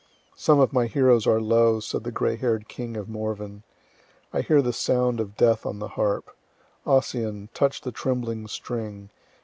Some of my heroes are low, said the gray hair'd king of Morven. I hear the sound of death on the harp. Ossian, touch the trembling string.